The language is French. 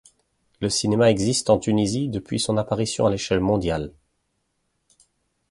Le cinéma existe en Tunisie depuis son apparition à l'échelle mondiale.